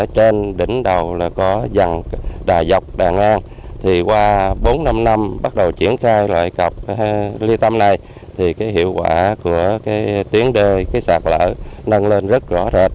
trên đỉnh đầu có dằn đà dọc đà ngang qua bốn năm năm bắt đầu triển khai lại cọc ly tâm này hiệu quả của tiến đời sạc lở nâng lên rất rõ rệt